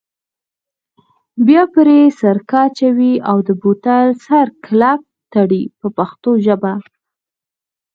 بیا پرې سرکه اچوئ او د بوتل سر کلک تړئ په پښتو ژبه.